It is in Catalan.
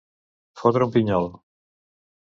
Fotre un pinyol.